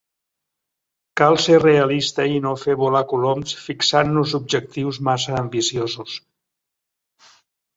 Cal ser realista i no fer volar coloms fixant-nos objectius massa ambiciosos.